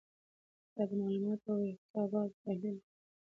دا د معلوماتو او حساباتو تحلیل دی.